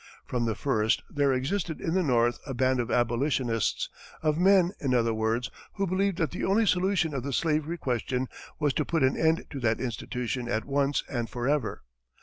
From the first, there existed in the north a band of abolitionists of men, in other words, who believed that the only solution of the slavery question was to put an end to that institution at once and forever.